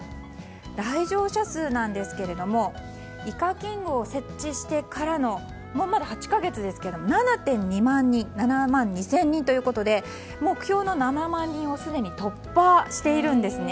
来場者数ですがイカキングを設置してからのまだ８か月ですが７万２０００人ということで目標の７万人をすでに突破してるんですね。